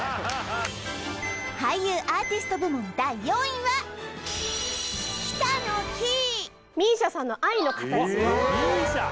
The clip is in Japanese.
俳優アーティスト部門第４位はＭＩＳＩＡさんの「アイノカタチ」ＭＩＳＩＡ！